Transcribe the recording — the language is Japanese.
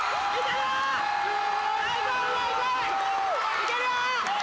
いけるよー！